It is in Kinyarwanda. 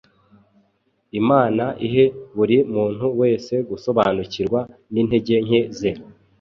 Imana ihe buri muntu wese gusobanukirwa n’intege nke ze,